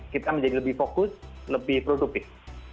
kita menjadi lebih fokus lebih produktif